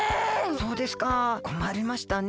そうですかこまりましたね。